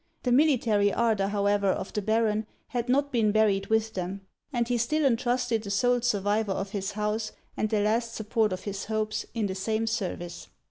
The military ardour however of the Baron had not been buried with them; and he still entrusted the sole survivor of his house, and the last support of his hopes, in the same service.